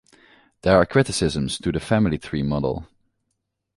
There are criticisms to the family tree model.